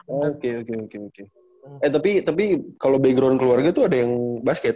oke gini eh tapi kalau background keluarga tuh ada yang basket